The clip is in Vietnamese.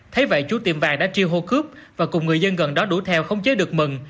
thấy vậy chú tiệm vàng đã triêu hô cướp và cùng người dân gần đó đuổi theo không chế được mừng